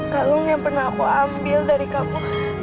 kalung yang pernah aku ambil dari kamu